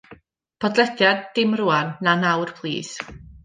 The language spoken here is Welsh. Podlediad Dim Rwan Na Nawr plîs